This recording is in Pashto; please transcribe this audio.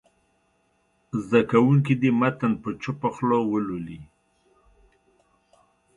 زده کوونکي دې متن په چوپه خوله ولولي.